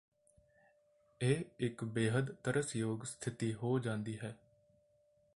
ਇਹ ਇੱਕ ਬੇਹੱਦ ਤਰਸਯੋਗ ਸਥਿਤੀ ਹੋ ਜਾਂਦੀ ਹੈ